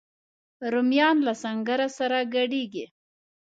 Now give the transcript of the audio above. رومیان له سنګره سره ګډیږي